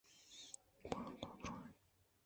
بانک ءَ درّائینت